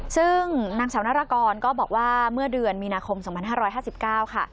ซึ่งนางสาวนรกรก็บอกว่าเมื่อเดือนมีนาคม๒๕๕๙ค่ะ